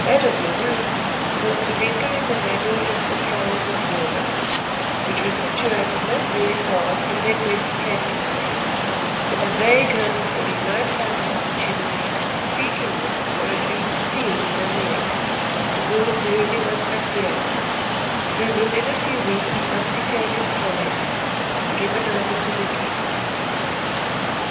That of Nahoon was to linger in the neighbourhood of the kraal of Umgona, which was situated not very far from their present camping place, in the vague hope that he might find an opportunity of speaking with or at least of seeing Nanea, the girl to whom he was affianced, who within a few weeks must be taken from him, and given over to the king.